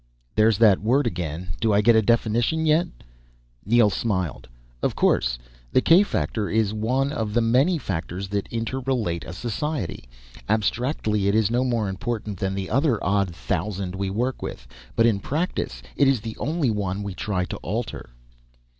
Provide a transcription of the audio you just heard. "There's that word again. Do I get a definition yet?" Neel smiled. "Of course. The k factor is one of the many factors that interrelate in a society. Abstractly it is no more important than the other odd thousand we work with. But in practice it is the only one we try to alter."